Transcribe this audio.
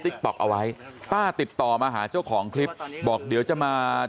ติ๊กต๊อกเอาไว้ป้าติดต่อมาหาเจ้าของคลิปบอกเดี๋ยวจะมา